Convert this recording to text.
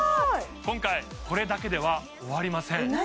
今回これだけでは終わりません